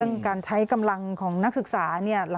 ประจำการใช้กำลังของนักศึกษา